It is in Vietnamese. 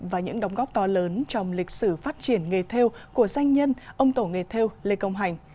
và những đóng góp to lớn trong lịch sử phát triển nghề theo của danh nhân ông tổ nghề theo lê công hành